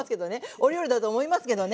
お料理だと思いますけどね。